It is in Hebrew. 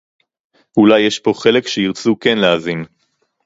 אולי יש פה חלק שירצו כן להאזין